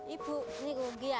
ibu ini dia